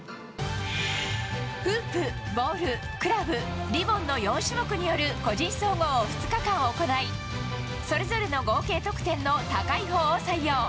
フープ、ボール、クラブリボンの４種目による個人総合を２日間行いそれぞれの合計得点の高いほうを採用。